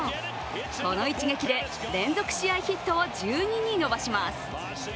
この一撃で連続試合ヒットを１２に伸ばします。